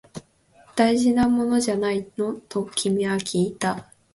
大事なものじゃないの？と君はきいた